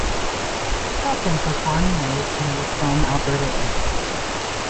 Calkins was born and raised in the Lacombe, Alberta area.